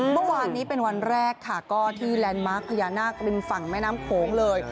เมื่อวานนี้เป็นวันแรกค่ะก็ที่แลนด์มาร์คพญานาคริมฝั่งแม่น้ำโขงเลย